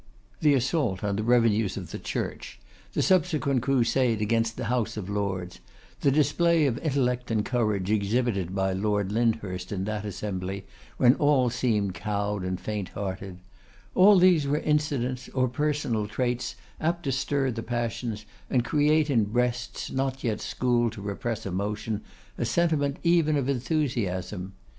The assault on the revenues of the Church; the subsequent crusade against the House of Lords; the display of intellect and courage exhibited by Lord Lyndhurst in that assembly, when all seemed cowed and faint hearted; all these were incidents or personal traits apt to stir the passions, and create in breasts not yet schooled to repress emotion, a sentiment even of enthusiasm.